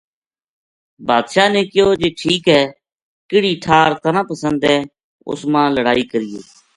بادشاہ نے کہیو جی ٹھیک ہے کِہڑی ٹھار تنا پسند ہے اُس ما لڑائی کرینے